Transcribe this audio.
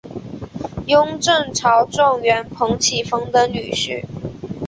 雍正朝状元彭启丰的女婿。